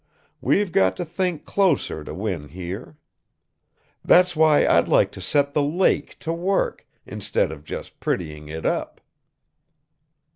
We've got to think closer to win here. That's why I'd like to set the lake to work instead of just prettying it up."